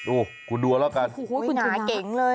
โอ้โหคุณดูเอาแล้วกันโอ้โหคุณหาเก๋งเลย